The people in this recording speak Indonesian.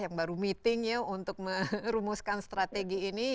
yang baru meetingnya untuk merumuskan strategi ini